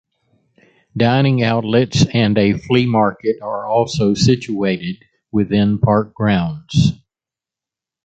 Dining outlets and a flea market are also situated within park grounds.